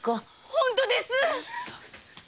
本当です！